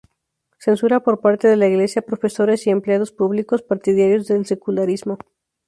Censura por parte de la Iglesia a profesores y empleados públicos partidarios del secularismo.